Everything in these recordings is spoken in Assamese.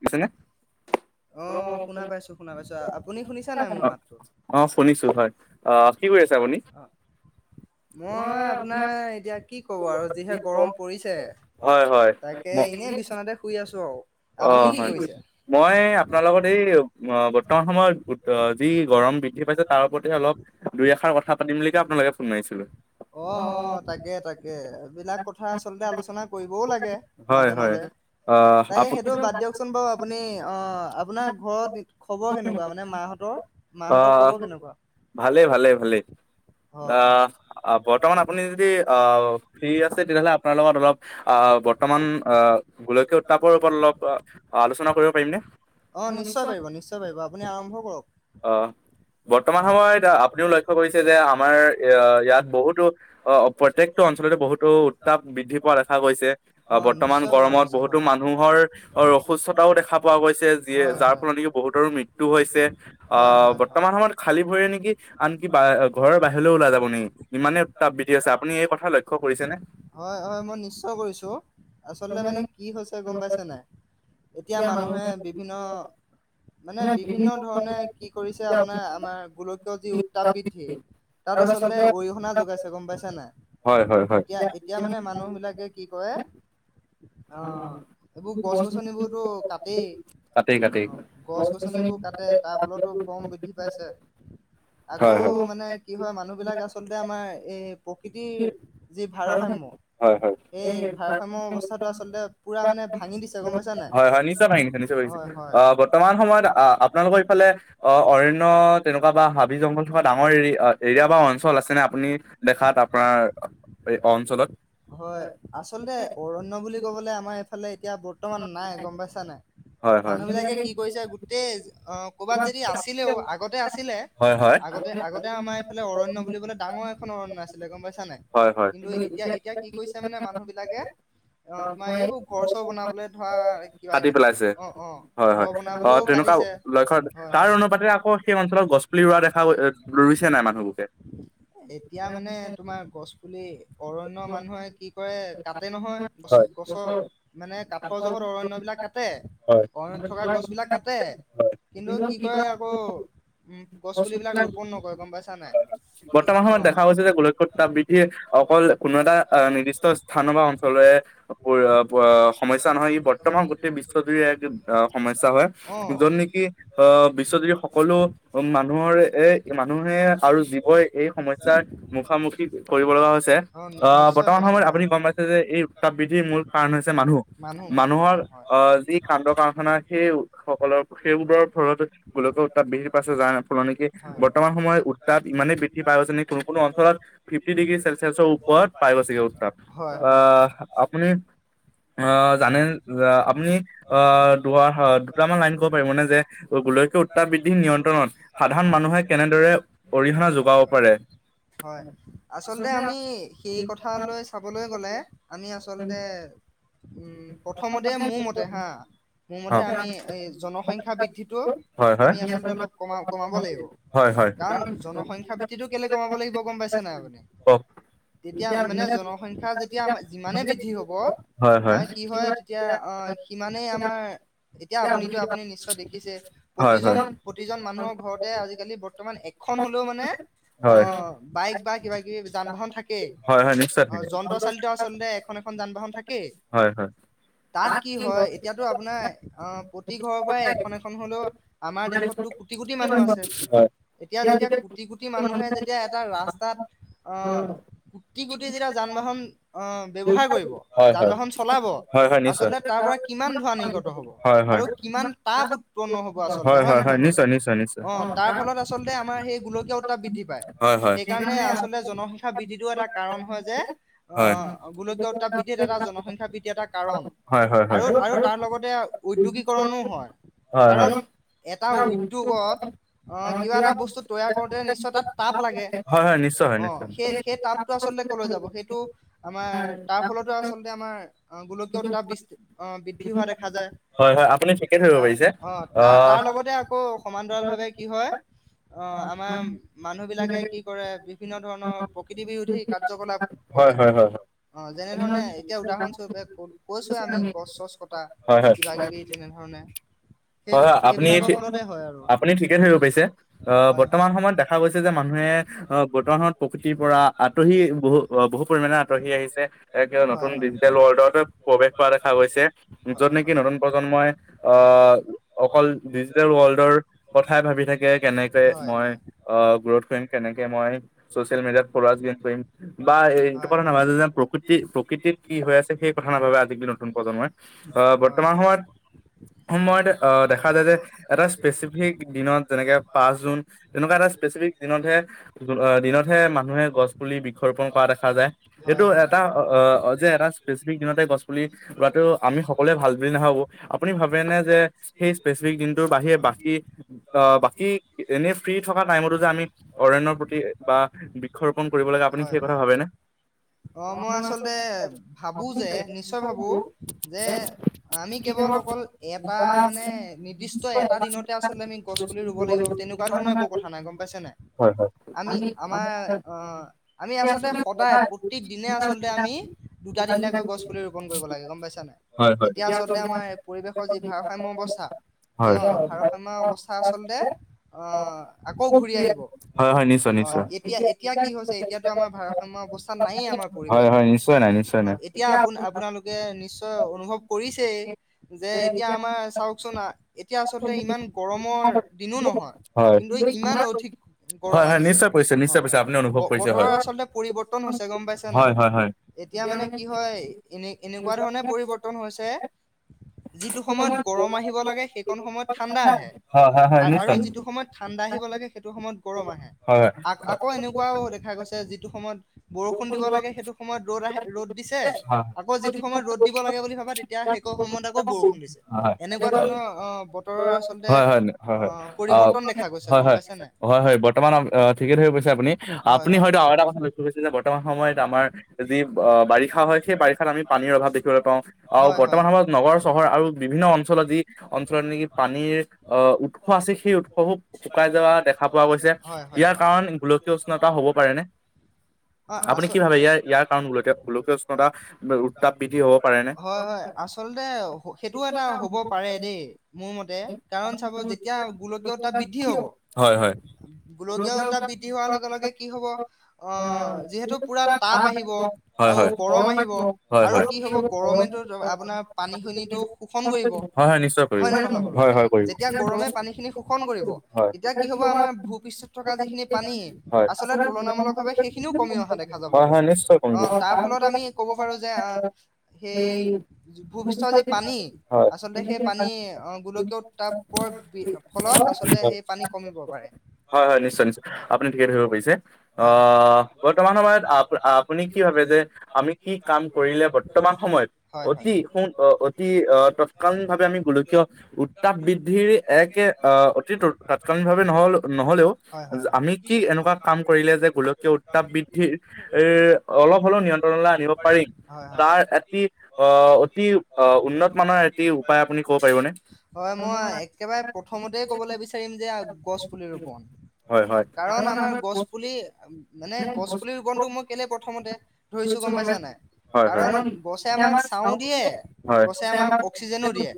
শুনিছেনে অ শুনিছো হয় আহ কি কৰি আছে আপুনি মই আপোনাৰ এতিয়া কি কব আৰু যিহে গৰম পৰিছে তাকে এনে বিচনাতে শুই আছো আৰু অ হয় মই আপোনাৰ লগত এই বৰ্তমান সময়ত যি গৰম বৃদ্ধি পাইছে তাৰ ওপৰ অলপ দুইআষাৰ কথা পাতিম বুলি ক আপোনালোকে ফোন মাৰিছিলো। অ অ তাকে তাকে এইবলাক কথা আচলতে আলোচনা কৰিবও লাগে মাজে মাজে তাই সেইটো বাদ দিয়কচোন বাৰু আপুনি আহ আপোনাৰ ঘৰত খবৰ কেনেকুৱা মানে মাহতৰ মাহঁতৰ খবৰ কেনেকুৱা অ অ। বৰ্তমান আপুনি যদি অঁ ফ্ৰী আছে, তেতিয়াহ'লে আপোনাৰ লগত অলপ অঁ বৰ্তমান অঁ গোলকীয় উত্তাপৰ ওপৰত অলপ আলোচনা কৰিব পাৰিম নে? অঁ, অঁ বৰ্তমান সময়ত আপুনিও লক্ষ্ কৰিছে যে আমাৰ ইয়াত বহুতো অ প্ৰতেকটো অঞ্চলতে বহুতো উত্তাপ বৃদ্ধি পোৱা দেখা গৈছে, বৰ্তমান গৰমত বহুতো মানুহৰ আৰু অসুস্থতাও দেখা পোৱা গৈছে যিয়ে যাৰ ফলত নেকি বহুতৰো মৃত্যু হৈছে, আ বৰ্তমান সময়ত খালী ভৰিয় নেকি আনকি ঘৰৰ বাহিৰলৈও ওলাই যাব নি ইমানেই উত্তাপ বৃদ্ধি আছে, আপুনি এই কথা লক্ষ্য কৰিছেনে? এতিয়া মানুহে বিভিন্ন মানে বিভিন্ন ধৰণে কি কৰিছে আপোনাৰ আমাৰ গোলকীয় যি উত্তাপ বৃদ্ধি, তাত আচলতে অ যোগাইছে গম পাইছ নে এতিয়া এতিয়া মানে মানুহ বিলাকে কি কৰে অঁ এইবোৰ গছ গছনিবোৰতো কাটেই, অঁ গছ গছনিবোৰ কাটেই তাৰ ফলতো গম বৃদ্ধি পাইছে, আকৌ মানে কি হয় মানুহ বিলাক আছে ল আমাৰ এই প্ৰকৃতিৰ যি ভাৰসাম্য সেই ভাৰসাম্য, অৱস্থা হয় হয় নিশ্চয় ভাঙিছে! নিশ্চয় ভাঙিছে! অঁ বৰ্তমান সময়ত আহ আপোনালোকৰ ইফালে অঁ অৰণ্য তেনেকুৱা বা হাবি জংঘল থকা ডাঙৰ এৰি এৰিয়া বা আ আপুনি দেখাত আপোনাৰ অঞ্চলত। ক'বলে আমাৰ এইফালে এতিয়া বৰ্তমান নাই গম পাইছা নাই মানুহ বিলাকে কি কৰিছে গোটেই অ ক'বাত যদি আছিলেও আগতে আছিলে, আগতে আগতে আমাৰ এইফালে অৰণ্য ডাঙৰ এখন অৰন্য আছিলে গম পাইছা নাই, কিন্তু এতিয়া এতিয়া কি কৰিছে মানে মানুহ বিলাকে অঁ তোমাৰ এইবোৰ ঘৰ চৰ বন কাটি পেলাইছে! হয় হয় অঁ তেনেকুৱা লক্ষ্য তাৰ অনুপাতে আকৌ সেই অঞ্চলত, গছপুলি ৰুোৱা দেখাইছে নাই মানুহবোৰে? এতিয়া মানে তোমাৰ গছ পুলি অৰণয় মানুহে কি কৰে, কাটে নহয় গছ গছৰ মানে কাঠৰ জহত অৰণ্যয়বলাক কাটে, অৰন্যত থকা গছ বিিলাক কাটে, কিন্তু কি কয় আকৌ উম গছ পুলিবিলাক ৰোপন নকৰে, গম পাইছা নাই বৰ্তমান সময়ত দেখা গৈছে যে গোলক্ষত ত বৃদ্ধি অকল কোনো এটা নিৰ্দিষ্ট স্থানৰ বা অঞ্চলৰে সমস্য নহয় ই বৰ্তমান গোটেই বিশ্বজুৰি এক আহ সমস্য হয় যত নেকি আহ বিশ্বজুৰি সকলো মানুহৰে এ মানুহে আৰু জীৱই এই সমস্যাৰ মুখামুখি কৰিব লগা হৈছে আহ বৰ্তমান সময়ত আপুনি গম পাইছে যে এই উত্তাপ বৃদ্ধিৰ মূল কাৰণ হৈছে মানুহ মানুহৰ আ যি কাণ্ড কাৰখানা, সেই সকলৰ সেইবোৰৰ ফলত গোলকে উত্তাপ বৃদ্ধি পাইছে যাৰ [unintelligible] ফলনিিকি বৰ্তমান সময়ত উত্তাপ ইমানে বৃদ্ধি পাই গৈছে নেকি, কোনো কোনো অঞ্চলত ফিফটি ডিগ্ৰী চেলচিয়াছৰ ওপৰত পাই গৈছেগে উত্তাপ, আ আপুনি আ জানে আপুনি আ, দু দুটামান লাইন কব পাৰিব নে? যে গোলকীয় উত্তাপ বৃদ্ধি নিয়ন্ত্ৰণত সাধাৰণ মানুহে কেনেদৰে [unintelligible] হয় আচলতে আমি, সেই কথা লৈ চাবলৈ গলে, আমি আচলতে--‌ উম প্ৰথমতে মোৰ মতে হা, মোৰ মতে আমি এই জনসংখ্য্ বৃদ্ধিটো আমি আচলতে অলপ কমা কমাব লাগিব কাৰণ জনসংখ্যা বৃদ্ধিটো কেলে কমাব লাগিব গম পাইছে নাই আপুনি তেতিয়া মানে জনসংখ্যা যেতিয়া ইমানে বৃদ্ধি হব। কি হয় তেতিয়া অ সিমানেই আমাৰ এতিয়া আপুনিতো আপুনি নিশ্চয় দেখিছে প্ৰতিজন প্ৰতিজন মানুহৰ ঘৰতে আজিকালি বৰ্তমান। এখন হলেও মানে অ বাইক বা কিবা কিবি যান বাহন থাকে অ যন্ত্ৰ চালিত আচলতে এখন এখন যান বাহন থাকেই। তাত কি হয় এতিয়াতো আপোনাৰ আহ প্ৰতি ঘৰৰ পৰাই এখন এখন হলেও আমাৰ দেশতো কোটি কোটি মানুহ আছে। যেতিয়া কোটি কোটি মানুহে যেতিয়া এ ৰাস্তাত কোটি কোটি যেতিয়া যান বাহন। ব্যবহাৰ কৰিব যান বাহন চলাব আচলতে তাৰ পৰা কিমান ধোৱা নিগত হব আৰু কিমান তাপ উৎপন্ন হব আচলতে হয় নহয় বাৰু অ তাৰ ফলত। আচলতে আমাৰ সেই গোলকীয়া উত্তাপ বৃদ্ধি পায় সেইকাৰণে আচলতে জনসংখ্যা বৃদ্ধিটো এটা কাৰণ হয় যে অ। গোলকীয় উত্তাপ বৃদ্ধিত এটা জনসংখ্যা বৃদ্ধি এটা কাৰণ আৰু আৰু তাৰ লগতে উদ্যোগীকৰণো হয় কাৰণ এটা উদ্যোগত। সেনে কোৱা এটা বস্তু তৈয়াৰ কৰোতে নিশ্চয় তাত তাপ লাগে সেই তাপটো আচলতে কলৈ যাব সেইটো। আমাৰ তাৰ ফলতো আচলতে আমাৰ গোলকীয় উত্তাপ বৃদ্ধি হোৱা দেখা যায় অ তাৰ তাৰ লগতে আকৌ সমান্তৰাল ভাৱে কি হয়। অ আমাৰ মানুহ বিলাকে কি কৰে বিভিন্ন ধৰণৰ প্ৰকৃতি বিৰোধী কাৰ্যকলাপ কৰে। অ যেনে ধৰণে এতিয়া উদাহৰণ স্বৰূপে কৈছোৱৱে আমি গছ চছ কটা কিবা কিবি তেনেধৰণে। হয় আপুনি আপুনি ঠিকে ধৰিব পাৰিছে। আহ বৰ্তমান সময়ত দেখা গৈছে যে মানুহে আহ বৰ্তমান সময়ত প্ৰকৃতিৰ পৰা আঁতৰি বহু আহ বহু পৰিমণে আঁতৰি আহিছে নতুন ডিজিটেল ৱৰ্ল্ডত প্ৰৱেশ কৰা দেখা গৈছে যত নেকি নতুন প্ৰজন্মই অঁ। অকল ডিজিটেল ৱৰ্ল্ডৰ কথাই ভাবি থাকে। কেনেকে মই অ গ্ৰোথ কৰিম কেনেকে মই চচিয়েল মিডিয়াত ফল কৰিম বা এইটো কথা নাভ যে প্ৰকৃতি প্ৰকৃতি কি হৈ আছে সেই কথা নাভাবে আজিকালি নতুন প্ৰজন্মই আহ বৰ্তমান সময়ত সময়ত। অ দেখা যায় যে এটা স্পেচিফিক দিনত। যেনেকে পাঁচ জুন তেনেকুৱা এটা স্পেচিফিক দিনতহে দিনতহে মানুহে গছ পুলি বৃক্ষৰোপন কৰা দেখা যায় এইটো এটা আহ যে এটা স্পেচিফিক দিনতে গছ পুলি লটো আমি সকলোৱে ভাল বুলি নাভাবো আপুনি ভাবেনে যে। সেই স্পেচিফিক দিনটোৰ বাহিৰে বাকী। অ বাকী এনে ফ্ৰী থকা টাইমতো যে আমি অৰণ্য প্ৰতি বা বৃক্ষৰোপন কৰিব লাগে আপুনি সেই কথা ভাবেনে। [unintelligible] গছ পুলি ৰুব লাগিব তেনেকুৱা ধৰণৰ একো কথা নাই গম পাইছে নাই। আমি আমাৰ অ আমি আচলতে সদায় প্ৰতেক দিনে আচলতে আমি দুটা তিনটাকৈ গছ পুলি ৰোপন কৰিব লাগে গম পাইছে নাই, তেতিয়া আচলতে আমাৰ পৰিৱেশৰ যি ভাৰসা- অৱস্থা সেয়া ভাৰসাম্য অৱস্থ- আচলতে আহ আকৌ ঘূৰি আহিব, অ এতিয়া এতিয়া কি হৈছে এতিয়াতো আমাৰ ভাৰসাম্য অৱস্থাত নায়েই, আমাৰ পৰিৱেশতটো অ এতিয়া আপোন আপোনালোকে নিশ্চয় অনুভৱ কৰিছেই যে এতিয়া আমাৰ চনা এতিয়া আচলতে ইমান গৰম গৰমৰ দিনো নহয় কিন্তু ইমান অধিক গৰম আহিছে অ বতৰৰ আচলতে পৰিৱৰ্তন হৈছে গম পাইছে নাই, এতিয়া মানে কি হয় এনে এনেকুৱা ধৰণে পৰিৱৰ্তন হৈছে- যিটো সময়ত গৰম আহিব লাগে সেইকণ সময়ত ঠাণ্ডা আহে। আৰু যিটো সময়ত ঠাণ্ডা আহিব লাগে, সেইটো সময়ত গৰম আহে আ আকৌ এনেকুৱাও দেখা গৈছে। যিটো সময়ত বৰষুণ দিব লাগে সেইটো সময়ত ৰ'দ আহে ৰ'দ দিছে, আকৌ যিটো সময়ত ৰ'দ দিব লাগে বুলি ভাবা তেতিয়া সেই সময়ত আকৌ বৰষুণ দিছে। এনেকুৱা ধৰণৰ আহ বতৰৰ আচলতে হয়, হয়, অ হয়, হয়, হয়, হয় বৰ্তমান ঠিকে ধৰি পৰিছে আপুনি, আপুনি হয়তো আৰু এটা কথা লক্ষ্য কৰি- বৰ্তমান সময়ত আমাৰ যি আহ বাৰিষা হয়। সেই বাৰিষাত আমি পানীৰ অভাৱ দেখিবলৈ পাওঁ আৰু বৰ্তমান সময়ত নগৰ চহৰ আৰু বিভিন্ন অঞ্চলত যি অঞ্চলত নেকি পানীৰ আহ উৎস আছে সেই উৎসবো শুকাই যোৱা দেখা পোৱা গৈছে। ইয়াৰ কাৰণ গোলকীয় উষ্ণতা হব পাৰেনে? আপুনি কি ভাবে ইয়াৰ ইয়াৰ কাৰণ গোলকীয় গোলকীয় উষ্ণতা উত্তাপ বৃদ্ধি হব পাৰেনে? কাৰণ চাব যেতিয়া গোলকীয় উত্তাপ বৃদ্ধি হব। গোলকীয় উত্তাপ বৃদ্ধি হোৱাৰ লগে লগে কি হব। অ যিহেতু পুৰা তাপ আহিব আৰু গৰম আহিব আৰু কি হব গৰমে আপোনাৰ পানী খিনিটো শোষন কৰিব, হয় নে নহয় বাৰু? এতিয়া গৰমে পানী খিনি শোষণ কৰিব, তেতিয়া কি হব আমাৰ ভূ পৃষ্ঠত থকা যিখিনি পানী, আচলতে তুলনামূলক ভাৱে সেই কমি অহা দেখা যাব, অ তাৰ ফলত আমি ক'ব পাৰো যে সেই ভূপৃষ্ঠৰ যি পানী আচলতে সেই পানী গোলকীয়- হয় হয় নিশ্চয় নিশ্চয় আপুনি ঠিকে ধৰিব পাৰিছে আহ বৰ্তমান সময়ত আ আপুনি কি ভাবে যে আমি কি কাম কৰিলে বৰ্তমান সময়ত অতি স অতি আহ তৎকালীন ভাৱে আমি গোলকীয় উত্তাপ। ধিৰ একে অতি তাৎকালিকভাৱে নহ নহলেও আমি কি এনেকুৱা কাম কৰিলে যে গোলকীয় তাপ বৃদ্ধিৰ এৰ অলপ হলেও নিয়ন্ত্ৰণলৈ আনিব পাৰিম তাৰ এটি আহ অতি আহ উন্নত মানৰ এটি উপায় আপুনি ক'ব পাৰিবনে? হয় মই একেবাৰে প্ৰথমতে ক'বলৈ বিচাৰিম যে গছ পুলি ৰোপন। কাৰণ আমাৰ গছ পুলি গছপুলি ৰোপণটো মই কেলে প্ৰথমতে ধৰিছোঁ গম পাইছা নাই কাৰণ গছে আমাক ছাও দিয়ে গছে আমাক অক্সিজেনো দিয়ে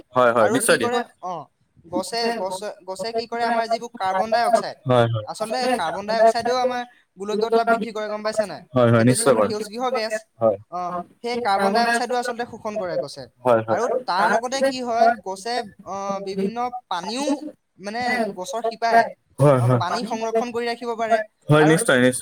আৰু কি কৰে। অ গছে গছে গছে কি কৰে আমাৰ যিবোৰ কাৰ্বন ডাই অক্সাইড আচলতে কাৰ্বন ডাই অক্সাইডেও আমাৰ গোল- বৃদ্ধি কৰে গম পাইছে নাই, সেইটো যিহেতু সেউজ গৃহ গেছ, অ'হ সেই কাৰ্বন ডাই অক্সাইডো আচলতে শোষণ কৰে গছে, আৰু তাৰ লগতে কি হয় গছে আহ বিভিন্ন পানীও মানে, গছৰ শিপাই, মানে পানী সংৰক্ষণ কৰি ৰাখিব পাৰে,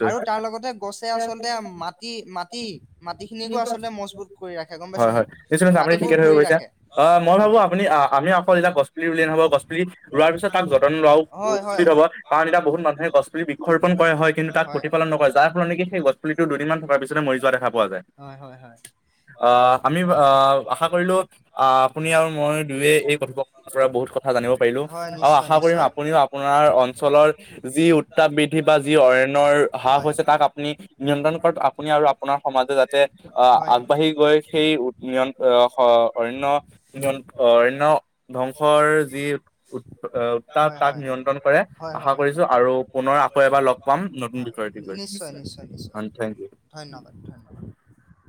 আৰু আৰু তাৰ লগতে গছে আচলতে মাটি, মাটি, মাটিখিনিকো আচলতে মজবুত কৰি ৰাখে গম পাইছে নাই? মাটিবোৰ ধৰি ৰাখে, অ' এতিয়া গছপুলি ৰুলে নহ'ব গছপুলি ৰোৱাৰ পিছত তাক যতন লোৱাও উচিত হ'ব। কাৰণ এতিয়া বহুত মুে গছপুলি বৃক্ষ ৰোপণ কৰে হয়, কিন্তু তাত প্ৰতিপালন নকৰে, যাৰ ফলনিকি সেই গছ পুলিটো দুদিনমান থকাৰ পিছতে মৰি যোৱা দেখা পোৱা যায়। অ'হ আমি অ'হ আশা কৰিলোঁ, অহ, আপুনি আৰু মই দুয়োয়ে এই তাৰ পৰা বহুত কথা জানিব পাৰিলোঁ। আৰু আশা কৰিম আপুনিও আপোনাৰ অঞ্চলৰ যি উত্তাপ বৃদ্ধি বা যি অৰণ্যৰ হ্ৰাস হৈছে, তাক আপুনি নিয়ন্ত্ৰণ ধ্বংসৰ যি, উত্তাপ তাক নিয়ন্ত্ৰণ কৰে। আশা কৰিছোঁ আৰু পুনৰ আকৌ এবাৰ লগ পাম। নতুন থেংক ইউ।